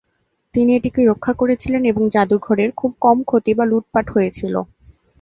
তিনি এটিকে রক্ষা করেছিলেন এবং জাদুঘরের খুব কম ক্ষতি বা লুটপাট হয়েছিল।